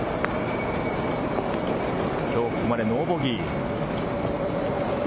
きょうここまでノーボギー。